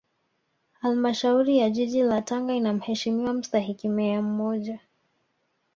Halmashauri ya Jiji la Tanga ina Mheshimiwa Mstahiki Meya mmoja